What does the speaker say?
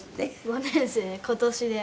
５年生今年で。